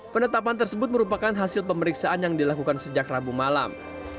penetapan tersebut merupakan hasil pemeriksaan yang dilakukan sejak rabu malam